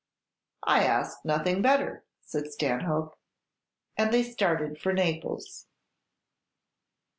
"I ask nothing better," said Stanhope; and they started for Naples.